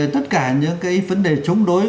tất cả những cái vấn đề chống đối